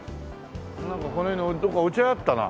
なんかこの辺にどっかお茶屋あったな。